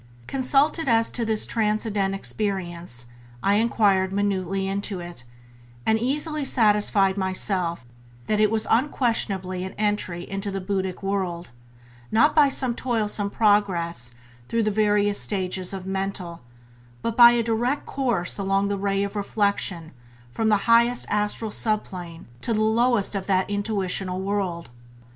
Consulted as to this transcendent experience, I enquired minutely into it, and easily satisfied myself that it was unquestionably an entry into the buddhic world, not by toilsome progress through the various stages of mental, but by a direct course along the ray of reflection from the highest astral subplane to the lowest of that intuitional world.